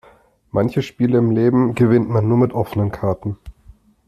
Manche Spiele im Leben gewinnt man nur mit offenen Karten.